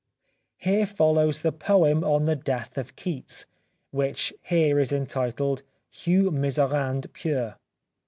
Here follows the poem on the death of Keats, which here is entitled " Heu Miserande Puer."